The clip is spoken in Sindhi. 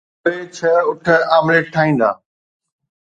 اهي ڇهه اٺ آمليٽ ٺاهيندا